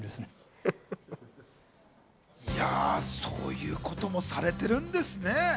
そういうこともされてるんですね。